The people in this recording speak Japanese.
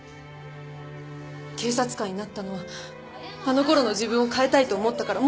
警察官になったのはあの頃の自分を変えたいと思ったから。